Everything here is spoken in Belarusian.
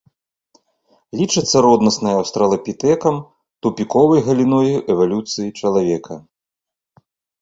Лічацца роднаснай аўстралапітэкам тупіковай галіной эвалюцыі чалавека.